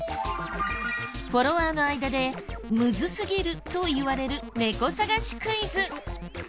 フォロワーの間でムズすぎるといわれる猫探しクイズ。